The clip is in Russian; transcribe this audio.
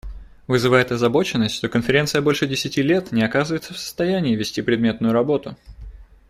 Вызывает озабоченность, что Конференция больше десяти лет не оказывается в состоянии вести предметную работу.